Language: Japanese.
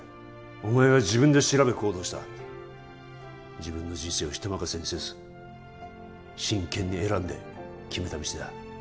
お前は自分で調べ行動した自分の人生を人任せにせず真剣に選んで決めた道だ